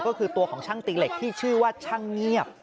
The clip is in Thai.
ก็คือตัวของช่างตีเหล็กที่ชื่อว่าช่างเงียบ